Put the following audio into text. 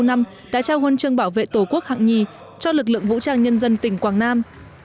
sáu năm đã trao huân chương bảo vệ tổ quốc hạng nhì cho lực lượng vũ trang nhân dân tỉnh quảng nam